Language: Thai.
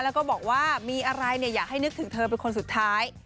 แล้วก็บอกว่ามีอะไรอยากให้นึกถึงเธอเป็นคนสุดท้าย